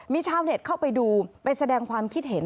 มีชาวเน็ตเข้าไปดูไปแสดงความคิดเห็น